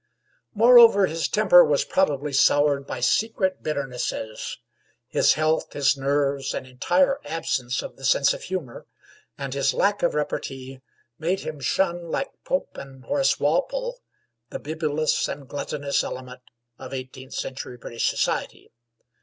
Moreover, his temper was probably soured by secret bitternesses. His health, his nerves, an entire absence of the sense of humor, and his lack of repartee, made him shun like Pope and Horace Walpole the bibulous and gluttonous element of eighteenth century British society.